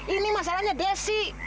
ini masalahnya desi